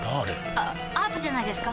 あアートじゃないですか？